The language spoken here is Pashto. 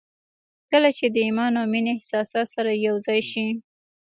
کله چې د ايمان او مينې احساسات سره يو ځای شي.